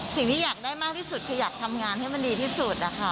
สิ่งที่อยากได้มากที่สุดคืออยากทำงานให้มันดีที่สุดนะคะ